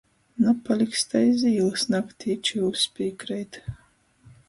Napaliks to iz īlys naktī, čiuļs pīkreit.